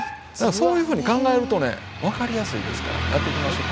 そういうふうに考えるとね分かりやすいですからやっていきましょか。